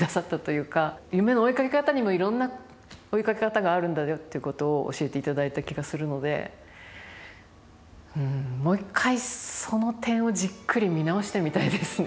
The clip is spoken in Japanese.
夢の追いかけ方にもいろんな追いかけ方があるんだよっていうことを教えていただいた気がするのでうんもう一回その点をじっくり見直してみたいですね